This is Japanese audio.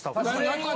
何が？